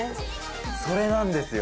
それなんですよ。